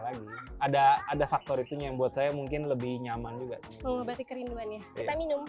lagi ada ada faktor itunya yang buat saya mungkin lebih nyaman juga mengobati kerinduannya kita minum